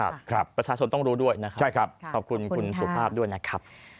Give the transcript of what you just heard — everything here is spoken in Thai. ประชาชนต้องรู้ด้วยนะครับ